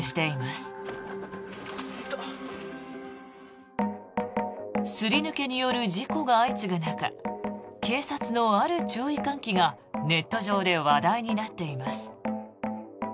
すり抜けによる事故が相次ぐ中警察の、ある注意喚起がネット上で話題になっています。